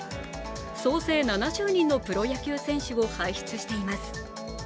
総勢７０人のプロ野球選手を輩出しています。